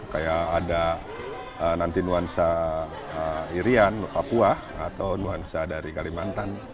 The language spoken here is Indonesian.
kayak ada nanti nuansa irian papua atau nuansa dari kalimantan